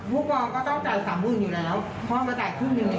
พ่อมาจ่ายครึ่งหนึ่งไม่ได้